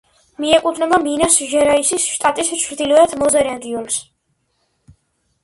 მიეკუთვნება მინას-ჟერაისის შტატის ჩრდილოეთ მეზორეგიონს.